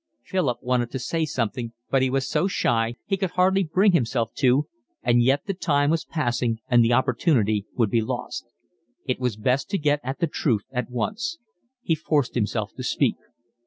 Philip wanted to say something, but he was so shy he could hardly bring himself to, and yet the time was passing and the opportunity would be lost. It was best to get at the truth at once. He forced himself to speak.